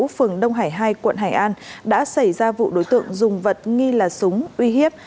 phường đông hải hai quận hải an đã xảy ra vụ đối tượng dùng vật nghi là súng uy hiếp